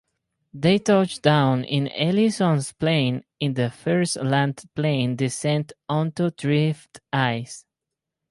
They touched down in Eielson's airplane in the first land-plane descent onto drift ice.